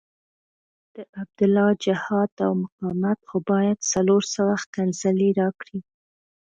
د عبدالله جهاد او مقاومت خو باید څلور سوه ښکنځلې راکړي.